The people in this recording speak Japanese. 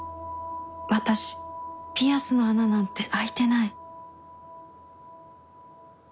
私ピアスの穴なんて開いてない